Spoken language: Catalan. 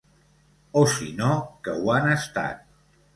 O si no, que ho han estat.